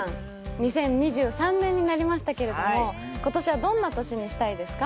２０２３年になりましたけれども今年はどんな年にしたいですか？